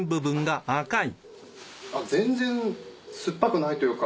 全然すっぱくないというか。